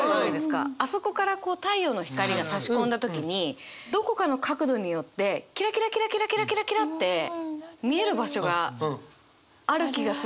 あそこからこう太陽の光がさし込んだ時にどこかの角度によってキラキラキラキラキラキラキラって見える場所がある気がするんですよ。